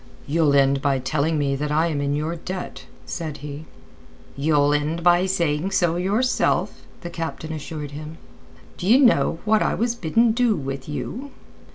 "You'll end by telling me that I am in your debt," said he. "You'll end by saying so yourself," the captain assured him. "D'ye know what I was bidden do with you?"